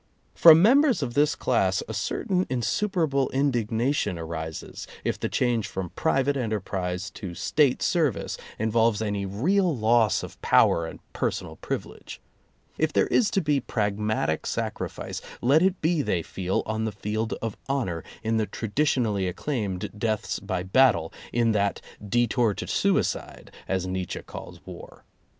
From members of this class a certain insuperable indignation arises if the change from private enterprise to State service involves any real loss of power and personal privilege. If there is to be pragmatic sacrifice, let it be, they feel, on the field of honor, in the traditionally acclaimed deaths by battle, in that detour to suicide, as Nietzsche calls war.